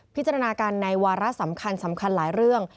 พิจารณาการในวาระสำคัญหลายเรื่อง